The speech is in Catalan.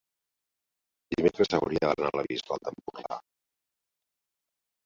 dimecres hauria d'anar a la Bisbal d'Empordà.